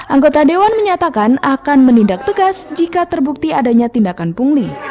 anggota dewan menyatakan akan menindak tegas jika terbukti adanya tindakan pungli